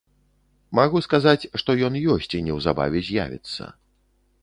Магу сказаць, што ён ёсць і неўзабаве з'явіцца.